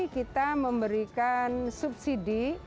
kita memberikan subsidi